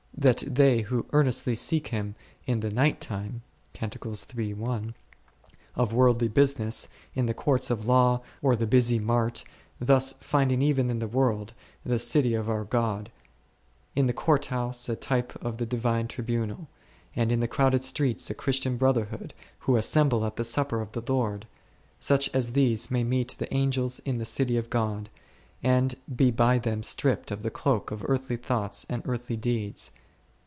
that they who earnestly seek Him in the night time* of worldly business, in the courts of law or the busy mart, thus finding even in the world, the city of our God; in the court house, a type of the divine tribunal ; and in the crowded streets, a Chris tian brotherhood, who assemble at the supper of the Lord ; such as these may meet the Angels in the city of God, and be by them stripped of the cloak of earthly thoughts and earthly deeds.